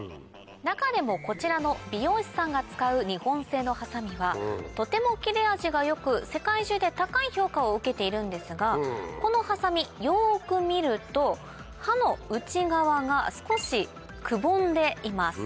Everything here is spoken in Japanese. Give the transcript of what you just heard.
中でもこちらの美容師さんが使う日本製のハサミはとても切れ味が良く世界中で高い評価を受けているんですがこのハサミよく見ると刃の内側が少しくぼんでいます。